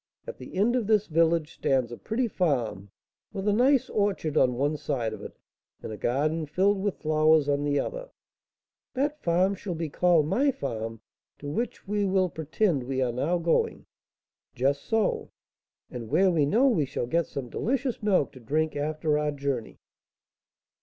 At the end of this village stands a pretty farm, with a nice orchard on one side of it, and a garden, filled with flowers, on the other " "That farm shall be called my farm, to which we will pretend we are now going." "Just so." "And where we know we shall get some delicious milk to drink after our journey!"